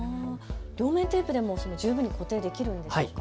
両面テープでも十分に固定できるんでしょうか。